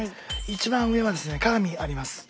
一番上はですね鏡あります。